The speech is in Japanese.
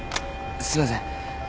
すいません